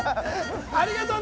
ありがとうね。